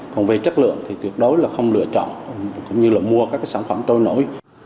còn về chất lượng thì tuyệt đối là không lựa chọn cũng như là mua các sản phẩm trôi nổi